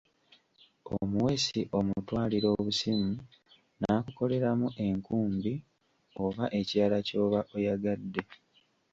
Omuweesi omutwalira obusimu, n'akukoleramu enkumbi oba ekirala ky'oba oyagadde.